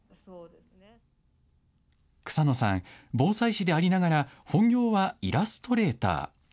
草野さん、防災士でありながら本業はイラストレーター。